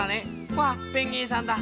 わっペンギンさんだ。